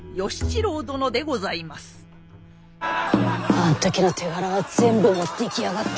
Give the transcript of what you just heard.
あん時の手柄は全部持っていきやがった。